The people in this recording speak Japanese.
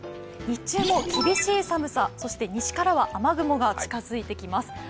日中も厳しい寒さ、そして西からは雨雲が近づいてきます。